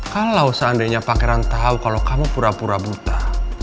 kalau seandainya pangeran tahu kalau kamu pura pura buta